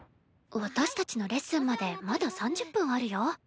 私たちのレッスンまでまだ３０分あるよ。